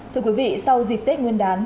thưa quý vị sau dịp tết nguyên đán